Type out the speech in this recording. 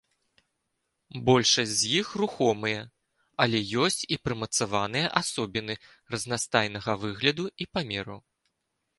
Большасць з іх рухомыя, але ёсць і прымацаваныя асобіны разнастайнага выгляду і памераў.